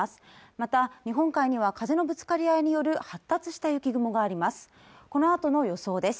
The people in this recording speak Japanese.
また日本海には風のぶつかりあいによる発達した雪雲があります